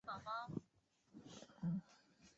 池田车站根室本线的铁路车站。